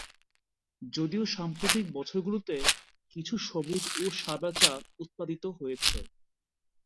যদিও সাম্প্রতিক বছরগুলোতে কিছু সবুজ ও সাদা চা উৎপাদিত হয়েছে।